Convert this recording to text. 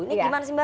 ini gimana sih mbak